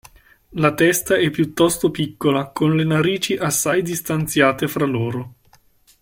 La testa è piuttosto piccola, con le narici assai distanziate fra loro.